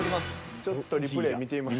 ちょっとリプレイ見てみますか？